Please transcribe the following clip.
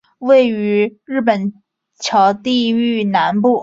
位于日本桥地域南部。